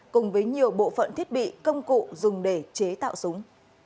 cùng với nhiều bộ phận thiết bị công cụ dùng để chế tạo súng